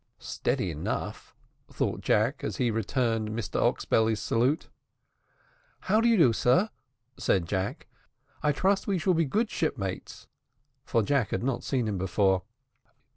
"Steady enough," thought Jack, as he returned Mr Oxbelly's salute. "How do you do, sir?" said Jack, "I trust we shall be good shipmates," for Jack had not seen him before.